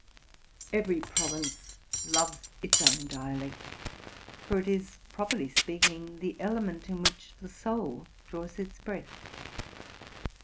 Every province loves its own dialect; for it is, properly speaking, the element in which the soul draws its breath.